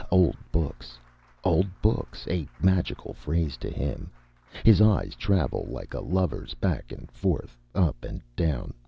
Old books old books, a magical phrase to him. His eyes travel like a lover's back and forth, up and down.